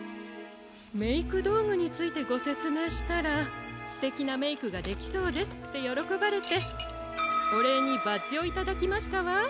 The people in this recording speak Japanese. メイクどうぐについてごせつめいしたら「すてきなメイクができそうです」ってよろこばれておれいにバッジをいただきましたわ。